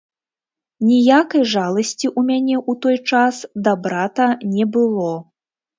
Ніякай жаласці ў мяне ў той час да брата не было.